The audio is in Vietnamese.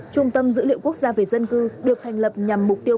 trung tâm dữ liệu quốc gia về dân cư được thành lập nhằm mục tiêu